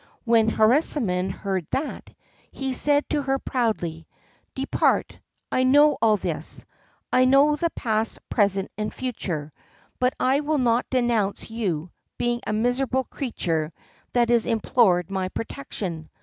When Harisarman heard that, he said to her proudly: "Depart, I know all this; I know the past, present, and future, but I will not denounce you, being a miserable creature that has implored my protection.